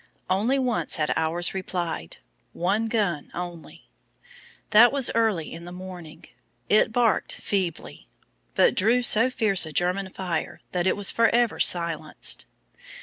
Only once had ours replied, one gun only. That was early in the morning. It barked feebly, twice, but drew so fierce a German fire that it was forever silenced.